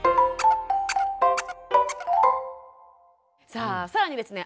さあ更にですね